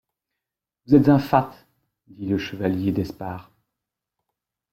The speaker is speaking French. Vous êtes un fat! dit le chevalier d’Espard.